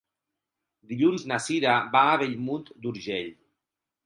Dilluns na Cira va a Bellmunt d'Urgell.